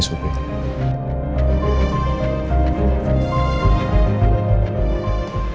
mas ya udah selesai